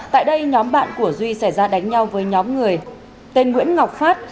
tại đây nhóm bạn của duy xảy ra đánh nhau với nhóm người tên nguyễn ngọc phát